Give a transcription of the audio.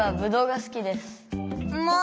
もう！